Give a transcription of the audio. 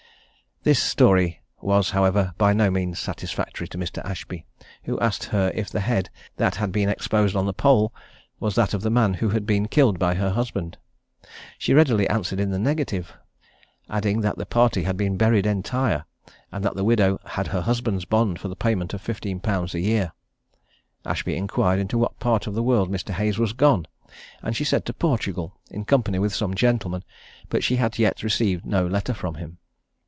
This story was, however, by no means satisfactory to Mr. Ashby, who asked her if the head that had been exposed on the pole was that of the man who had been killed by her husband? She readily answered in the negative, adding that the party had been buried entire; and that the widow had her husband's bond for the payment of fifteen pounds a year. Ashby inquired to what part of the world Mr. Hayes was gone; and she said to Portugal, in company with some gentlemen; but she had yet received no letter from him.